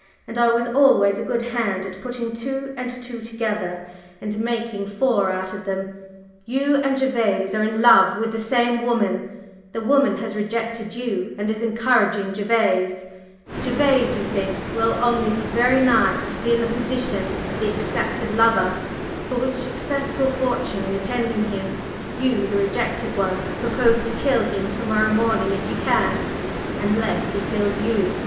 And I was always a good hand at putting two and two together and making four out of them. You and Gervase are in love with the same woman; the woman has rejected you and is encouraging Gervase; Gervase, you think, will on this very night be in the position of the accepted lover, for which successful fortune attending him, you, the rejected one, propose to kill him to morrow morning if you can, unless he kills you.